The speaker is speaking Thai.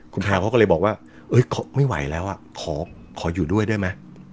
คุณแพรวเขาก็เลยบอกว่าเอ้ยก็ไม่ไหวแล้วอ่ะขอขออยู่ด้วยได้ไหม